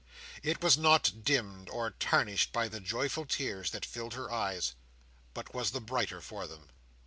It was not dimmed or tarnished by the joyful tears that filled her eyes, but was the brighter for them.